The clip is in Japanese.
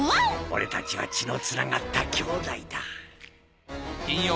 俺たちは血のつながった兄弟だ。